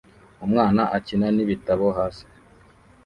Umwana akina n'ibitabo hasi